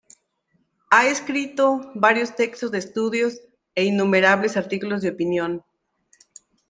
Ha escrito varios textos de estudios e innumerables artículos de opinión.